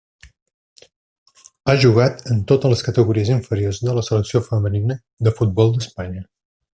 Ha jugat en totes les categories inferiors de la Selecció femenina de futbol d'Espanya.